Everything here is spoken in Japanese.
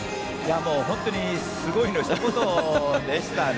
もう本当にすごいのひと言でしたね。